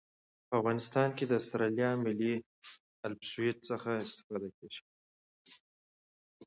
په افغانستان کې د اسټرلیایي ملي الپسویډ څخه استفاده کیږي